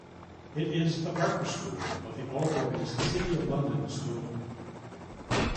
It is the partner school of the all-boys City of London School.